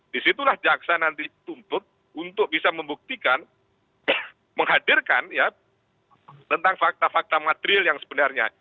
disitulah jaksa nanti tuntut untuk bisa membuktikan menghadirkan ya tentang fakta fakta material yang sebenarnya